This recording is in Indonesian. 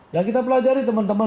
ya kita pelajari teman teman